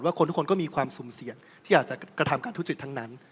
คนทุกคนก็มีความสุ่มเสี่ยงที่อาจจะกระทำการทุจริตทั้งนั้น